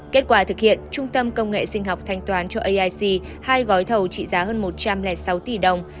kết quả thực hiện trung tâm công nghệ sinh học thanh toán cho aic hai gói thầu trị giá hơn một trăm linh sáu tỷ đồng